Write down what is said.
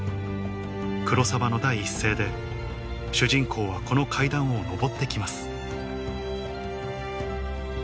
黒澤の第一声で主人公はこの階段を上って来ます